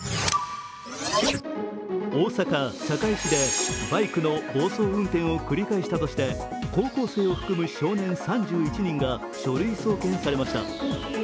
大阪堺市でバイクの暴走運転を繰り返したとして高校生を含む少年３１人が書類送検されました。